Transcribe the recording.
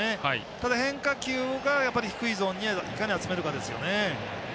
ただ変化球が低いゾーンにいかに集めるかですよね。